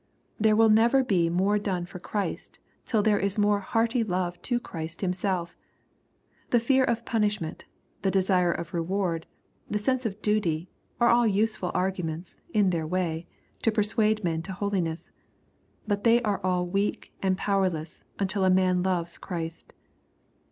There never will be more done for Christ till there is more hearty love to Christ Himsel£ The fear of punishment, the desire of reward, the sense of duty, are all useful arguments, in their way, to persuade men to holiness. But they are all weak and powerless, until a man loves Christ.